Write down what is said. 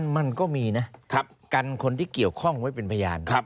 มันก็มีนะกันคนที่เกี่ยวข้องไว้เป็นพยาน